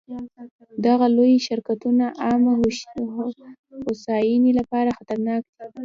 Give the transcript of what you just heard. دغه لوی شرکتونه عامه هوساینې لپاره خطرناک دي.